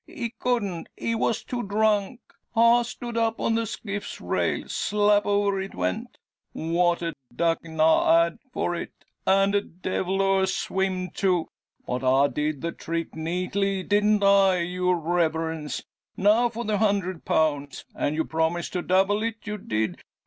he couldn't, he was too drunk. I stood up on the skiff's rail. Slap over it went. What a duckin' I had for it, and a devil o' a swim too! But I did the trick neatly! Didn't I, your Reverence? Now for the hundred pounds. And you promised to double it you did!